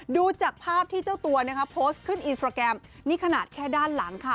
ดูจากภาพที่เจ้าตัวนะคะโพสต์ขึ้นอินสตราแกรมนี่ขนาดแค่ด้านหลังค่ะ